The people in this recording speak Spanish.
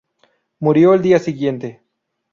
Murió el día siguiente.